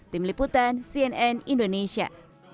tim liputan cnn indonesia